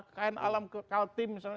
kekayaan alam kaltim misalnya